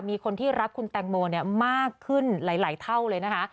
มีคนที่รักคุณแตงโมมากขึ้นหลายเท่าเลยนะคะ